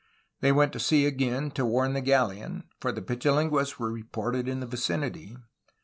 They went to sea again to warn the galleon, for the Pichilingues were reported in the vicinity.